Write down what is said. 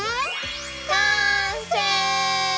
完成！